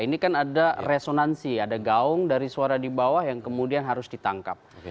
ini kan ada resonansi ada gaung dari suara di bawah yang kemudian harus ditangkap